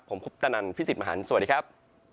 ผมคุปตนันพี่สิทธิ์มหันฯสวัสดีครับ